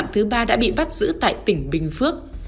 thứ ba đã bị bắt giữ tại tỉnh bình phước